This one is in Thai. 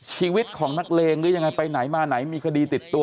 ชีวิตของนักเลงหรือยังไงไปไหนมาไหนมีคดีติดตัว